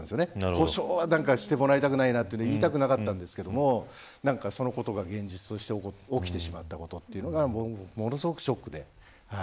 故障はしてほしくないと言いたくなかったんですけれどもそのことが現実として起きてしまったことというのがものすごくショックです。